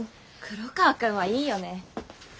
黒川くんはいいよね。